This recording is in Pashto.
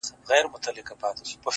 • اوس رستم غوندي ورځم تر كندوگانو,